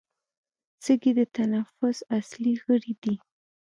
سږي د تنفس اصلي غړي دي